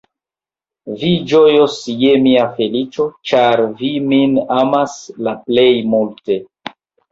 Vi ĝojos je mia feliĉo, ĉar vi min amas la plej multe!